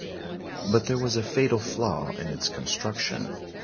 But there was a fatal flaw in its construction.